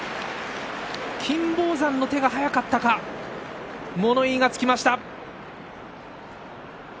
金峰山の手が早かったか物言いがつきました。